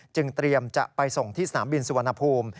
เตรียมจะไปส่งที่สนามบินสุวรรณภูมิ